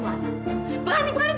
sudah banyak aku ingin nikah